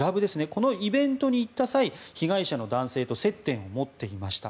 このイベントに行った際被害者の男性と接点を持っていました。